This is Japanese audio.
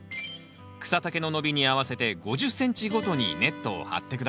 草丈の伸びに合わせて５０ｃｍごとにネットを張って下さい